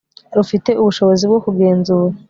rufite ubushobozi bwo kugenzura